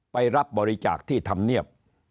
ไปรับบริจาคที่ธรรมเนียบ